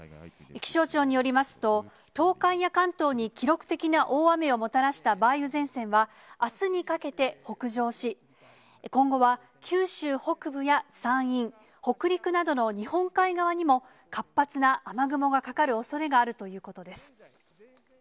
気象庁によりますと、東海や関東に記録的な大雨をもたらした梅雨前線は、あすにかけて北上し、今後は九州北部や山陰、北陸などの日本海側にも、活発な雨雲がかかるおそれがあるということです。